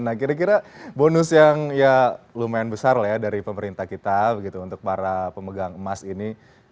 nah kira kira bonus yang lumayan besar dari pemerintah kita untuk para pemegang emas ini